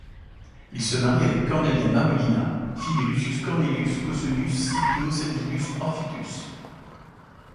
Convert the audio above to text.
Il se marie avec Cornelia Marullina, fille de Lucius Cornelius Cossonius Scipio Salvidus Orfitus.